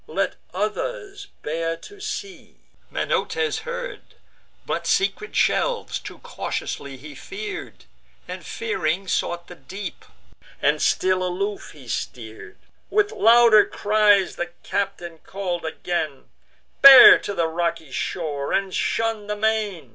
"Let others bear to sea!" Menoetes heard; But secret shelves too cautiously he fear'd, And, fearing, sought the deep; and still aloof he steer'd. With louder cries the captain call'd again: "Bear to the rocky shore, and shun the main."